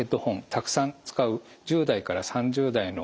たくさん使う１０代から３０代の若者たちですね